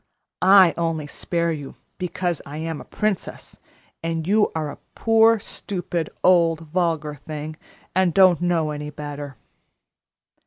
I only spare you because I am a princess, and you are a poor, stupid, old, vulgar thing, and don't know any better."